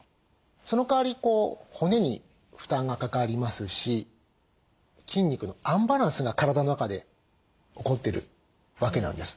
そのかわりこう骨に負担がかかりますし筋肉のアンバランスが体の中で起こってるわけなんです。